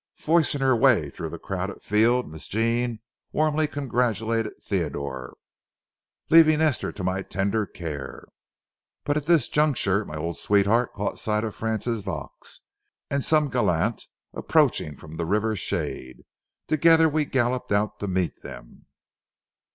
Forcing her way through the crowded field, Miss Jean warmly congratulated Theodore, leaving Esther to my tender care. But at this juncture, my old sweetheart caught sight of Frances Vaux and some gallant approaching from the river's shade, and together we galloped out to meet them.